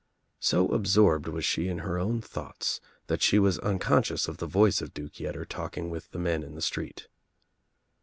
So absorbed was she in her own thoughts that she was unconscious of the voice of Duke Yetter talking with the men in the street.